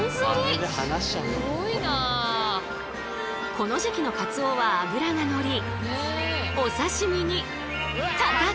この時期のカツオは脂がのりお刺身にたたき！